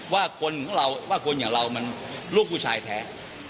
ว่าคนอย่างเรามันลูกผู้ชายแท้